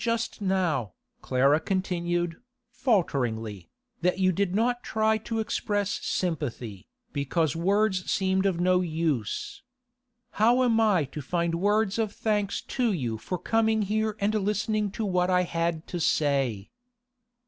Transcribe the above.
'You said just now,' Clara continued, falteringly, 'that you did not try to express sympathy, because words seemed of no use. How am I to find words of thanks to you for coming here and listening to what I had to say?